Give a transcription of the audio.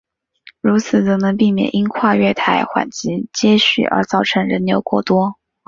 如此则能避免因跨月台缓急接续而造成人流过多。